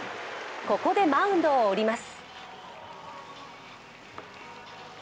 ここでマウンドを降ります。